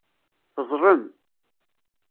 Teẓẓlem.